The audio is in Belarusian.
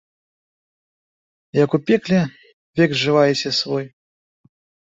Як у пекле, век зжываеце свой.